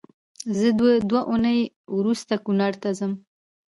زه دوې اونۍ روسته کونړ ته ځم